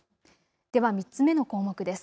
では３つ目の項目です。